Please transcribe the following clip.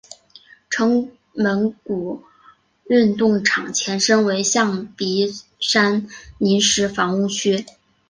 城门谷运动场前身为象鼻山临时房屋区。